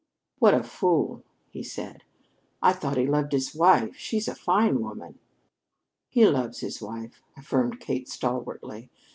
"What a fool!" he said. "I thought he loved his wife. She's a fine woman." "He loves his wife," affirmed Kate stalwartly.